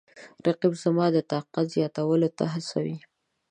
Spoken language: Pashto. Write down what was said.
رقیب زما د طاقت زیاتولو ته هڅوي